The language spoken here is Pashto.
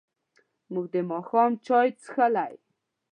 موږ د ماښام چای څښلی.